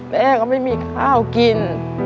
แม่ก็ไม่มีข้าวกิน